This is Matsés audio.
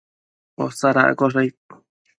Posadaccosh aid